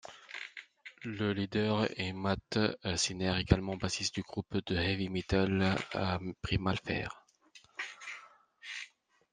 Le leader est Matt Sinner, également bassiste du groupe de heavy metal Primal Fear.